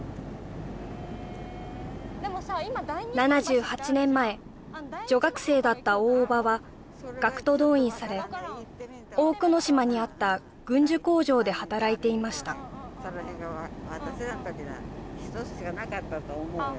７８年前女学生だった大伯母は学徒動員され大久野島にあった軍需工場で働いていました一つしかなかったと思うあ